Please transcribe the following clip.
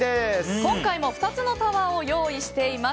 今回も２つのタワーを用意しています。